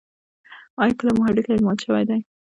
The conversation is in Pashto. ایا کله مو هډوکی مات شوی دی؟